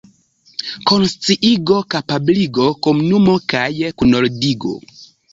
konsciigo, kapabligo, komunumo kaj kunordigo.